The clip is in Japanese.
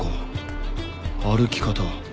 歩き方。